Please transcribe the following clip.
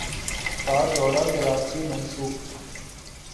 کا دورہ کراچی منسوخ